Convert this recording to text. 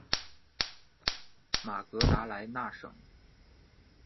马格达莱纳省。